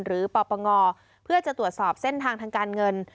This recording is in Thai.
ปปงเพื่อจะตรวจสอบเส้นทางทางการเงิน